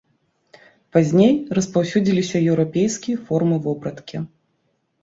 Пазней распаўсюдзіліся еўрапейскія формы вопраткі.